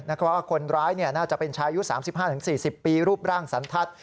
เพราะว่าคนร้ายน่าจะเป็นชายอายุ๓๕๔๐ปีรูปร่างสันทัศน์